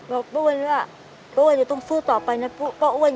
ป้าอ้วนว่าป้าอ้วนจะต้องสู้ต่อไปนะป้าอ้วน